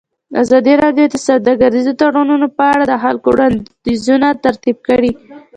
ازادي راډیو د سوداګریز تړونونه په اړه د خلکو وړاندیزونه ترتیب کړي.